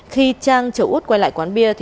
khi trang chở út quay lại quán bia